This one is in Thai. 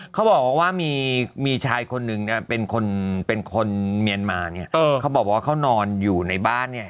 เขาบอกว่ามีชายคนนึงเนี่ยเป็นคนเป็นคนเมียนมาเนี่ยเขาบอกว่าเขานอนอยู่ในบ้านเนี่ย